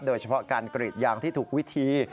โดยเฉพาะการกรีดยางที่ถูกวิธี